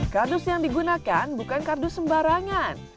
kardus yang digunakan bukan kardus sembarangan